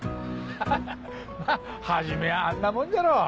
ハハハまっ初めはあんなもんじゃろ。